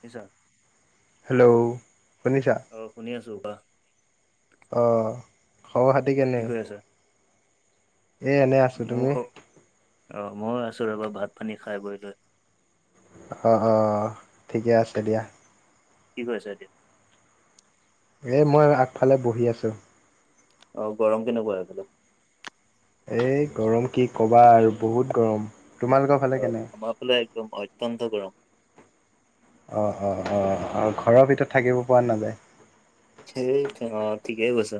শুনিছা? হেল্ল' শুনিছা অঁহ শুনি আছো কোৱা। অ', খবৰ খাটি কি কেনে? কৰি আছা এই এনেই আছোঁ মোৰ তুমি? খ অ' ময়ো আছো ৰ'বা ভাত পানী খাই বৈ লৈ। হ হ, ঠিকে আছে দিয়া। কি কৈছা এতিয়া? এই মই আগফালে বহি আছোঁ। অ', গৰম কেনেকুৱা এইফালে? এই গৰম কি ক'বা আৰু বহুত গৰম তোমালোকৰ ফালে অ' কেনে আমাৰ ফালে একদম অত্যন্ত গৰম। অঁ অঁ অঁ ঘৰৰ ভিতৰত থাকিব পৰা নাযায় সেই কেন ঠিকে কৈছা।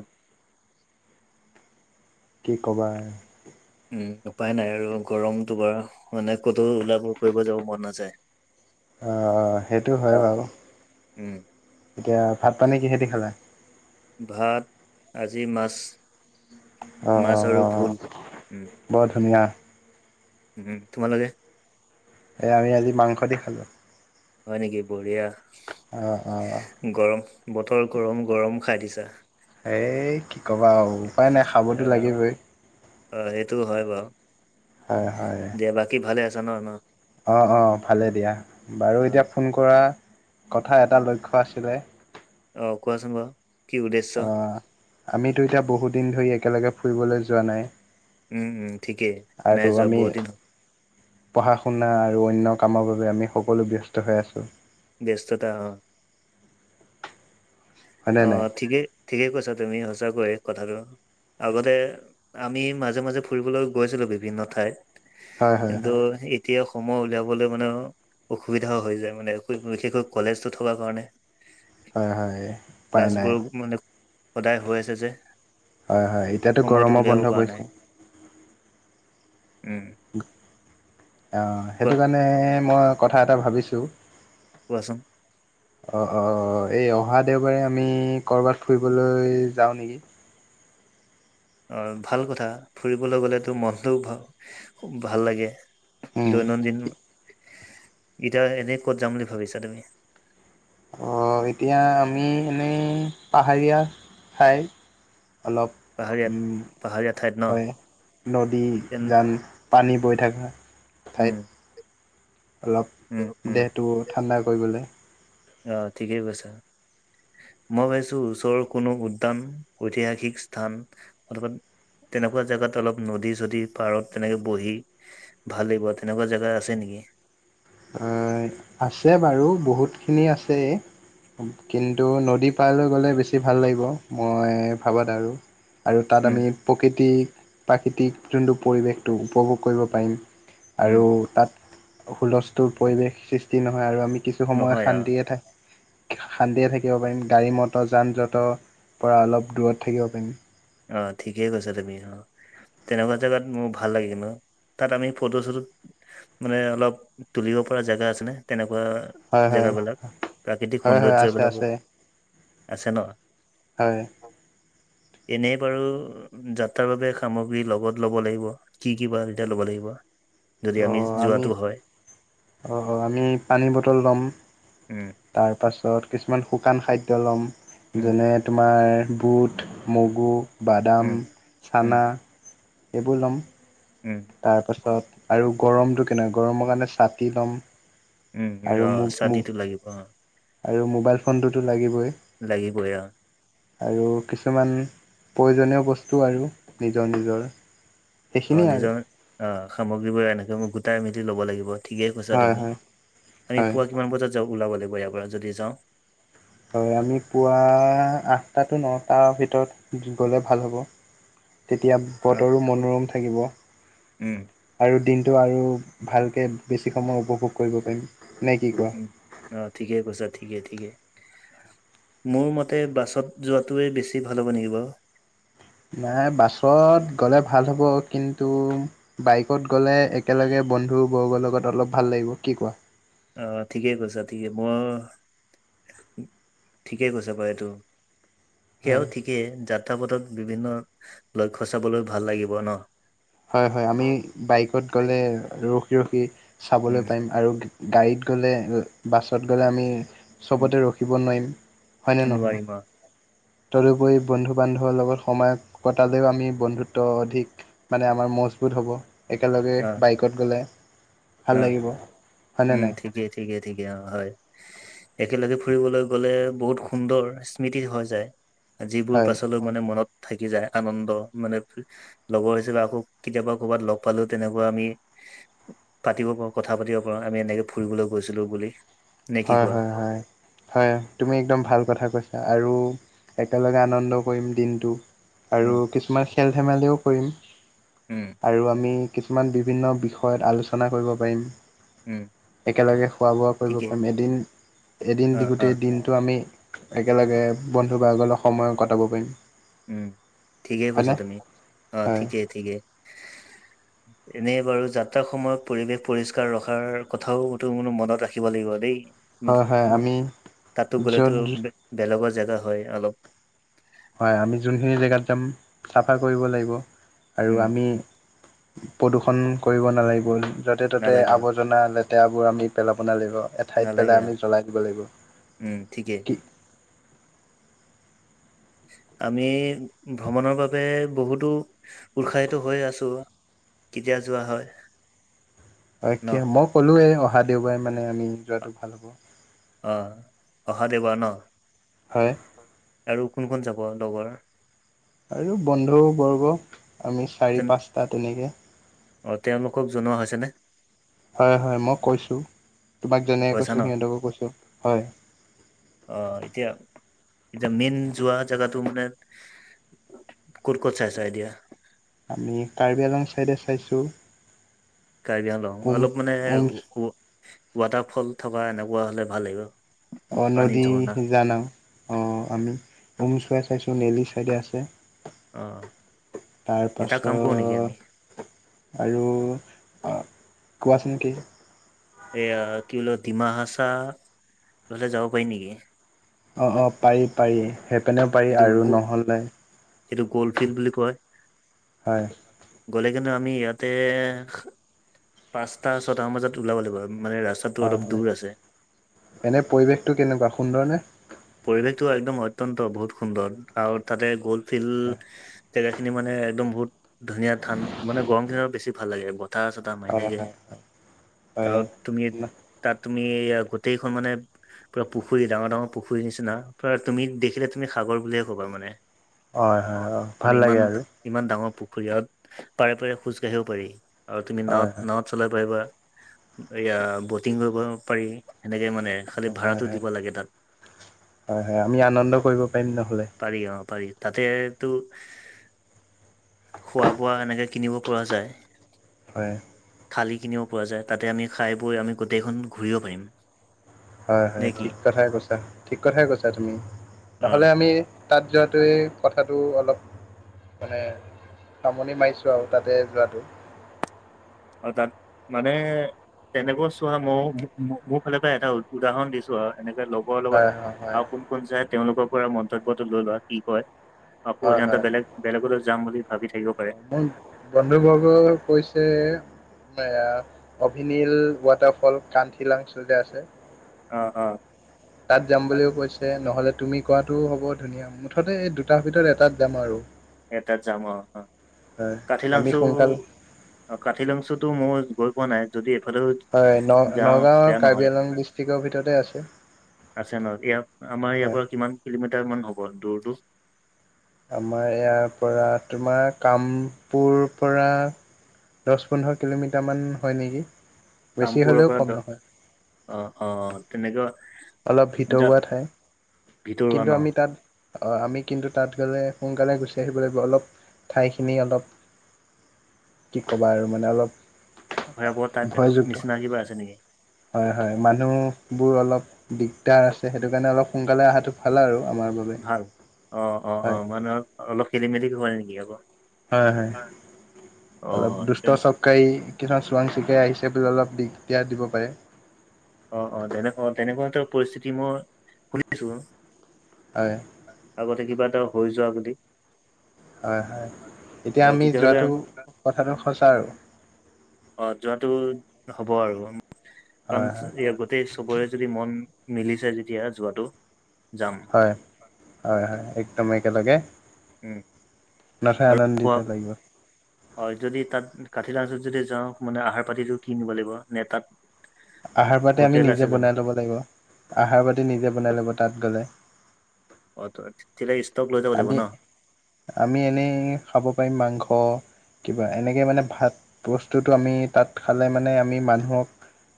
কি ক'বা উম উপায় নাই আৰু গৰমটো বাৰ মানে ক'তো ওলাব কৰিব যাব মন নাযায়। অঁ অঁ সেইটো হয় বাৰু উম এতিয়া ভাত পানী কিহেদি খালা? ভাত আজি মাছ, অঁ মাছ অঁ আৰু অঁ ভোল। উম বৰ ধুনীয়া। উম তোমালোকে? এ আমি আজি মাংস দি খালোঁ। হয় নেকি? বঢ়িয়া। অঁ, অঁ। গৰম, বতৰ গৰম গৰম খাই দিছা। এই কি ক'বা আও উপায় টো নাই খাবতো আহ লাগিবই। অ' সেইটো হয় বাৱ হয় হয়। দিয়া, বাকী ভালে আছা ন ন? অঁ অঁ ভালে দিয়া বাৰু অ এতিয়া ফোন কৰা কথা এটা লক্ষ্য আছিলে। অ কোৱাচোন বাৰু। কি উদ্দেশ্য আমি দুয়োটা বহুতদিন ধৰি একেলগে ফুৰিবলৈ যোৱা নাই। উম উম ঠিকেই আৰু নাই যোৱা আমি বহুত দিন। পঢ়া শুনা আৰু অন্য কামৰ বাবে আমি সকলো ব্যস্ত হৈ আছোঁ। ব্যস্ততা অ হয়নে অ নাই ঠিকেই ঠিকেই কৈছা। তুমি সঁচাকৈয়ে কথাটো আগতে আমি মাজে মাজে ফুৰিবলৈ গৈছিলো বিভিন্ন ঠাইত। হয়, হয়, কিন্তু হয়, এতিয়া সময় উলিয়াবলৈ মানে অসুবিধাও হৈ যায় মানে। বিশেষকৈ কলেজটো থকাৰ কাৰণে। হয় হয় উপায় নাই ক্লাছবোৰ মানে সদায় হৈ আছে যে। হয় হয় এতিয়াতো সময়টো গৰমো উলিয়াব বন্ধ পৰা নাই পৰিছে। উম অঁ কোৱা সেইটো কাৰণে মই কথা এটা ভাবিছোঁ। কোৱাচোন। অ অঁ এই অহা দেওবাৰে আমি ক'ৰবাত ফুৰিবলৈ যাওঁ নেকি? অ ভাল কথা ফুৰিবলৈ গ'লেতো মনটো ভাল লাগে। উম, দৈনন্দিন এতিয়া এনে ক'ত যাম বুলি ভাবিছা তুমি। এতিয়া আমি এনেই পাহাৰীয়া ঠাই অলপ পাহাৰীয়া উম পাহাৰীয়া ঠাইত ন হয় নদী তেন যান পানী বৈ থকা। ঠাইত উম অলপ উম উম দেহটো ঠাণ্ডা কৰিবলে। অ ঠিকেই কৈছ। মই ভাবিছো ওচৰৰ কোনো উদ্যান ঐতিহাসিক স্থান অথবা তেনেকুৱা জাগাত অলপ নদী চদী পাৰত তেনেকে বহি। ভাল লাগিব তেনেকুৱা জেগা আছে নেকি? আছে বাৰু বহুতখিনি আছে। কিন্তু নদী পাৰলৈ গ'লে বেছি ভাল লাগিব মই ভাবাত আৰু। আৰু তাত উম আমি প্ৰকৃতিক প্ৰাকৃতিক যোনটো পৰিৱেশটো উপভোগ কৰিব পাৰিম। উম আৰু তাত হুলস্থুল পৰিৱেশ সৃষ্টি নহয় আৰু আমি কিছু সময় নহয় অ শান্তিয়ে থাক শান্তিকে থাকিব পাৰিম গাড়ী মটৰ যান জঁটৰ পৰা অলপ দূৰত থাকিব পাৰিম। অ ঠিকেই কৈছা তুমি অ। তেনেকুৱা জেগাত মোৰ ভাল লাগে ন তাত আমি ফটো চটো মানে অলপ তুলিব পৰা জেগা আছে নে তেনেকুৱা। হয় হয় জেগাবিলাক প্ৰাকৃতিক হয় হয় আছে সৌন্দৰ্যবিলাকো আছে আছে ন? হয়। এনেই বাৰু। যাত্ৰাৰ বাবে সামগ্ৰী লগত ল'ব লাগিব। কি কি বা তেতিয়া ল'ব লাগিব। যদি অ আমি যোৱাটো হয় অ আমি পানীৰ বটল ল'ম। উম তাৰ পাছত কিছুমান শুকান খাদ্য ল'ম। উম যেনে তোমাৰ বুট, মগু, বাদাম। উম উম চানা এইবোৰ ল'ম উম তাৰ পাছত আৰু গৰমটো কেনেকা গৰমৰ কাৰণে ছাটি ল'ম উম আৰু অ মোক মোক ছাতিটো লাগিব অ আৰু মোবাইল ফোনটোতো লাগিবই লাগিবই আ আৰু কিছুমান প্ৰয়োজনীয় বস্তু আৰু নিজৰ নিজৰ অ সেইখিনিয়ে আৰু নিজৰ অ সামগ্ৰীবোৰ এনেকে মই গোটাই মিলি লব লাগিব ঠিকেই কৈছা হয় তুমি হয় আমি হয় পুৱা কিমান বজাত যাওঁ ওলাব লাগিব ইয়াৰ পৰা যদি যাওঁ হয় আমি পুৱা আঠটাটো নটাৰ ভিতৰত গ'লে ভাল হ'ব তেতিয়া অ বতৰো মনোৰম থাকিব উম আৰু দিনটো আৰু ভালকে বেছি সময় উপভোগ কৰিব পাৰিম নে কি কয় উম অ ঠিকেই কৈছা ঠিকেই ঠিকেই মোৰ মতে বাছত যোৱাটোৱে বেছি ভাল হ'ব নেকি বাৰু নাই বাছত গ'লে ভাল হ'ব কিন্তু বাইকত গ'লে একেলগে বন্ধুবৰ্গৰ লগত অলপ ভাল লাগিব কি কোৱা অ ঠিকেই কৈছা ঠিকে মই ঠিকে কৈছে বা এইটো হয় সেয়াও ঠিকেই যাত্ৰাপথত বিভিন্ন লক্ষ্য চাবলৈ ভাল লাগিব ন হয় হয় আমি বাইকত গ'লে ৰখি ৰখি চাবলৈ উম, পাৰিম আৰু গাড়ীত গ'লে বাছত গ'লে আমি উম চবতে ৰখিব নোৱাৰিম হয়নে নহয় নোৱাৰিম অ', তদুপৰি বন্ধু বান্ধৱৰ লগত সময় কটালেও আমি বন্ধুত্ব অধিক মানে আমাৰ মজবুত হ'ব একেলগে অ', বাইকত গ'লে ভাল অ লাগিব। হয়নে উম নাই? ঠিকেই ঠিকেই ঠিকেই অ হয় একেলগে ফুৰিবলৈ গ'লে বহুত সুন্দৰ স্মৃতি হৈ যায় যিবোৰ হয়, পাছলৈ মানে মনত থাকি যায় আনন্দ মানে লগৰ হিছাপে আকৌ কেতিয়াবা কৰ'বাত লগ পালেও তেনেকুৱা আমি পাতিব পাৰো কথা পাতিব পাৰো আমি এনেকে ফুৰিবলৈ গৈছিলো বুলি নে কি হয় কোৱা? হয় হয় হয় তুমি একদম ভাল কথা কৈছা আৰু একেলগে আনন্দ কৰিম দিনটো আৰু উম, কিছুমান খেল ধেমালিও কৰিম উম, আৰু আমি কিছুমান বিভিন্ন বিষয়ত আলোচনা কৰিব পাৰিম উম একেলগে খোৱা বোৱাও কৰিব ঠিকেই পাৰিম এদিন এদিন দি অ', গোটেই অ', দিনটো আমি একেলগে বন্ধু বৰ্গলৈ সময় কটাব পাৰিম উম ঠিকে কৈছা হয়নে? তুমি অ হয়। ঠিকেই ঠিকে [inaudible] এনেই বাৰু যাত্ৰাৰ সময়ত পৰিৱেশ পৰিষ্কাৰ ৰখাৰ কথাওতো মানো মনত ৰাখিব লাগিব দেই হয় হয় আমি তাতো য'ত গ'লেতো বেলেগৰ জেগা হয় অলপ হয় আমি যোনখিনি জেগাত যাম চাফা কৰিব লাগিব আৰু উম আমি প্ৰদূষন কৰিব নালাগিব যতে ত'তে নালাগে আৰু আৱৰ্জনা লেতেৰাবোৰ আমি পেলাব নালাগিব ঠাইত নালাগে পেলাই আৰু আমি জ্বলাই দিব লাগিব উম ঠিকে কি আমি ভ্ৰমণৰ বাবে বহুতো উৎসাহিত হৈ আছো কেতিয়া যোৱা হয় ন হয় মই ক'লো এ অহা দেওবাৰে মানে আমি যোৱাটো ভাল হ'ব অ অহা দেওবাৰ ন হয় আৰু কোন কোন যাব লগৰ আৰু বন্ধুবৰ্গ আমি চাৰি তেন পাঁচটা তেনেকে অ তেওঁলোকক জনোৱা হৈছে নে হয় হয় মই কৈছোঁ তোমাক যেনেকে কৈছা কৈছো ন সিহঁতকো কৈছোঁ হয় অ এতিয়া এতিয়া মেইন যোৱা জেগাটো মানে ক'ত ক'ত চাইছা এতিয়া আমি কাৰ্বি আলং চাইডে চাইছো কাৰ্বি আংলং অলপ মানে উম ৱাটাৰ ফল থকা এনেকুৱা হ'লে ভাল লাগিব অ পানী নদী ঝৰ্ণা জানা অ আমি উমচুৱাই চাইছো নেলি চাইডে আছে অ' তাৰ এটা পাছত কাম কৰো নেকি আমি আৰু কোৱাচোন কি এয়া কি বোল ডিমা হাচা এইফালে যাব পাৰি নেকি অঁ অঁ পাৰি পাৰি সেই পেনেও পাৰি আৰু নহ'লে সেইটো গ'ল ফিল্ড বুলি কয় হয় গ'লে কিন্তু আমি ইয়াতে পাঁচটা ছটা মান বজাত ওলাব লাগিব মানে ৰা হয় হয় এনে পৰিৱেশটো কেনেকুৱা সুন্দৰনে পৰিৱেশটো একদম অত্যন্ত বহুত সুন্দৰ আৰু তাতে গ'ল ফিল্ড জেগাখিনি মানে একদম বহুত ধুনীয়া ঠান মানে গৰম দিনত বেছি ভাল লাগে বতাহ চতাহ মাৰি হয় থাকে হয় আৰু হয় তুমি তাত তুমি গোটেইখন মানে পুৰা পুখুৰী ডাঙৰ ডাঙৰ পুখুৰীৰ নিচিনা প্ৰায় তুমি দেখিলে তুমি সাগৰ বুলিয়ে কবা মানে হয় অ হয় মানে ভাল ইমান লাগে আৰু এটা ইমান ডাঙৰ পুখুৰী আৰু পাৰে পাৰে খোজ কাঢ়িব পাৰি আৰু তুমি নাৱত হয় হয় নাৱত চলাব পাৰিবা এয়া বটিং কৰিব পাৰি সেনেকে মানে খালি হয় হয় ভাড়াটো হয় দিব লাগে তাত হয় হয় আমি আনন্দ কৰিব পাৰিম নহ'লে পাৰি অ পাৰি তাতেতো খোৱা বোৱা এনেকে কিনিব পৰা যায় হয় থালি কিনিব পৰা যায় তাতে আমি খাই বৈ আমি গোটেইখন ঘূৰিব পাৰিম হয় নে হয় কি ঠিক কথাই কৈছা ঠিক কথাই কৈছা তুমি অ নহ'লে আমি তাত যোৱাটোৱেই কথাত টো অলপ মানে সামৰনি মাৰিছোঁ আৰু তাতে যোৱাটো অ তাত মানে তেনেকৈ চোৱা মই মোৰ ফালৰ পৰা এটা উদাহৰণ দিছো আৰু এনেকে লগ হয় হয় হয় কত চাই তেওঁলোকৰ পৰা মন্তব্যটো লৈ লোৱা কি কয় আকৌ হয় সিহতে হয় বেলেগ বেলেগত যাম বুলি ভাবি থাকিব পাৰে মোৰ বন্ধুবৰ্গই কৈছে অভিনীল ৱাটাৰফল কানথিল আঞ্চলতে আছে অ অ তাত যাম বুলিও কৈছে নহ'লে তুমি কোৱাটোও হব ধুনীয়া মুঠতে এই দুটাৰ ভিতৰত এটাত যাম আৰু এ তাত যাম অ অ হয় কাঠি আমি লাংছো সোনকাল অ কাঠিলংচুতো মই গৈ পোৱা নাই যদি এইফালেও হয় ন যাওঁ নগাঁও বেয়া নহয় কাৰ্বি আলং ডিষ্ট্ৰিক্টৰ ভিতৰতে আছে আছে ন ইয়াত আমাৰ ইয়াৰ হয় পৰা কিমান কিলোমিটাৰ মান হব দূৰটো আমাৰ ইয়াৰ পৰা তোমাৰ কামপুৰ পৰা দহ পোন্ধৰ কিলোমিটাৰমান হয় নেকি বেছি কামপুৰৰ হ'লেও পৰা কম দ নহয় অ অ তেনেকুৱা অলপ যা ভিতৰুৱা ঠাই ভিতৰুৱা কিন্তু ন আমি তাত অ আমি কিন্তু তাত গ'লে সোনকালে গুচি আহিব লাগিব অলপ ঠাইখিনি অলপ কি ক'বা আৰু মানে অলপ ভয়াবৰ তাই ভয়যুক্ত নিচিনা কিবা আছে নেকি হয় হয় মানুহবোৰ অলপ দিগদাৰ আছে সেইটো কাৰণে অলপ সোনকালে অহাটো ভাল আৰু আমাৰ বাবে ভাল অ অ অ হয় মানেহ অলপ খেলি মেলি ঘ নেকি আকৌ হয় হয় অলপ অ', দুষ্ট তেনে চব কাই কিছুমান চোৰাং চিকাই আহিছে বোলে অলপ দিগদাৰ দিব পাৰে অ অ তেনেকা অ তেনেকুৱা পৰিস্থিতি মই শুনিছো হয় আগতে কিবা এটা হৈ যোৱা যদি হয় হয় এতিয়া অ', আমি তেতিয়াহ'লে যোৱাটো কথাটো সঁচা আৰু অ যোৱাতটো হ'ব আৰু কাৰণ হয় হয় গোই চবৰে যদি মন মিলিছে তেতিয়া যোৱাতটো যাম হয় হয় হয় একদম একেলগে উম, নাখাই আৰু আনন্দিত খোৱা লাগিব হয় যদি তাত কাঠি লাঞ্চত যদি যাওঁ মানে আহাৰ পাতিটো কিনিব লাগিব নে তাত আহাৰ পাতি আমি হোটেল আছে নিজে জানো বনাই ল'ব লাগিব আহাৰ পাতি নিজে বনাই ল'ব তাত গলে অ ত তেতিয়াহে ষ্টক লৈ যাব লাগিব আমি ন আমি এনেই খাব পাৰিম মাংস কিবা এনেকৈ মানে ভাত বস্তুটো আমি তাত খালে মানে আমি মানুহক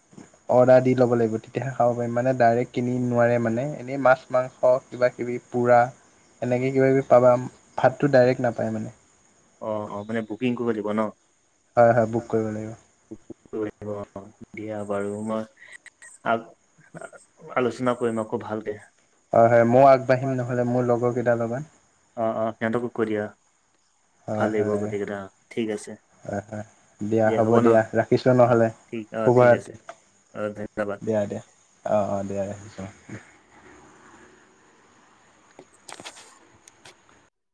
[inaudible] অৰ্ডাৰ দি ল'ব লাগিব তেতিয়াহে খাব পাৰিম মানে ডাইৰেক্ট কিনি নোৱাৰে মানে এনেই মাছ মাংস কিবাকিবি পূৰা এনেকৈ কিবাকিবি পাবা ভাতটো ডাইৰেক্ট নাপায় মানে অ অ মানে বুকিং কৰি দিব ন হয় হয় বুক কৰিব লাগিব অ দিয়া বাৰু মই আলোচনা কৰিম আকৌ ভাল কে হয় হয় মই আগবাঢ়িম নহ'লে মোৰ লগৰ কেইটাল লগান অ অ সিহঁতকো কৈ দিয়া ভাল হয় লাগিব গোটেইকেইটা অ ঠিক আছে হয় হয় দিয়া হ'ব দিয়া ৰাখিছোঁ অ', নহ'লে ঠিক অ', শুভ ঠিক আছে ৰাতি অ ধন্যবাদ অঁ দিয়া ৰাখিছোঁ [inaudible]